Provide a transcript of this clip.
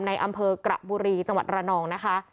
ในอำเภอกระบุรีจังหวัดระนองนะคะ